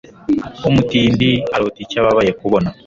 Umutindi arota icyo ababaye kubona